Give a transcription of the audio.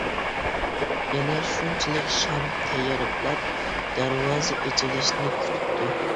يەنە شۇنچىلىك شام تەييارلاپ، دەرۋازا ئېچىلىشىنى كۈتۈپتۇ.